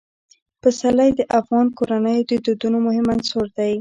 پسرلی د افغان کورنیو د دودونو مهم عنصر دی.